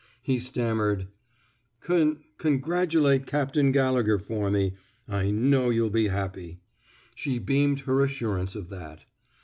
He stammered: Con —« congratulate Captain Gallegher for me. I know you'll be happy. '* She beamed her assurance of that.